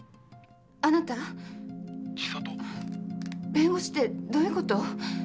弁護士ってどういうこと？